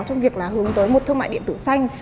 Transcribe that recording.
trong việc là hướng tới một thương mại điện tử xanh